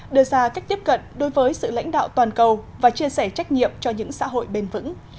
đưa ra cách tiếp cận đối với sự lãnh đạo toàn cầu và chia sẻ trách nhiệm cho những xã hội bền vững